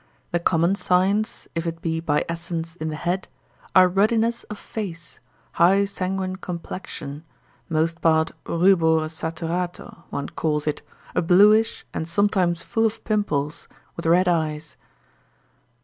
The common signs, if it be by essence in the head, are ruddiness of face, high sanguine complexion, most part rubore saturato, one calls it, a bluish, and sometimes full of pimples, with red eyes.